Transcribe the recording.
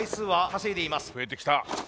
増えてきた。